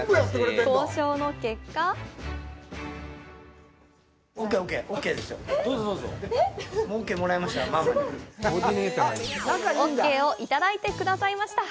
交渉の結果ＯＫをいただいてくださいました！